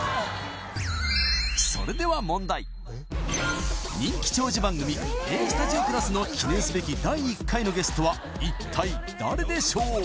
それでは問題人気長寿番組「Ａ−Ｓｔｕｄｉｏ＋」の記念すべき第１回のゲストは一体誰でしょう？